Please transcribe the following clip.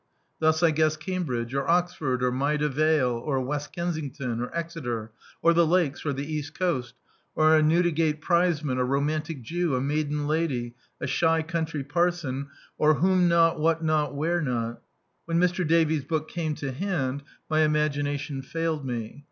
Thus I guess Cambridge or Oxford or Maida Vale or West Kensingnm or Exeter or the lakes or the east raast; or a Newdigate prizeman, a romantic Jew, a maiden lady, a shy country parson or whom not, what not, where not. When Mr. Davies' book came to hand my imagination failed me.